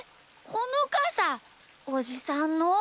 このかさおじさんの？